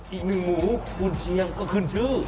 อีกหนึ่งหมูกุญเชียงก็ขึ้นชื่อ